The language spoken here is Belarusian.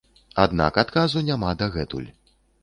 Аднак адказу няма дагэтуль.